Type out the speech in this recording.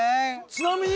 ちなみに？